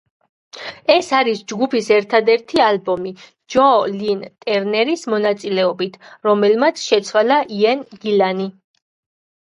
ეს არის ჯგუფის ერთადერთი ალბომი ჯო ლინ ტერნერის მონაწილეობით, რომელმაც შეცვალა იენ გილანი.